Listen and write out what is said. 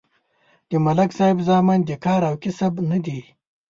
د ملک صاحب زامن د کار او کسب نه دي